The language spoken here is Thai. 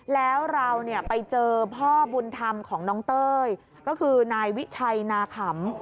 แล้วเราไปเจอพ่อบุญธรรมของน้องเต้ยก็คือนายวิชัยนาขำ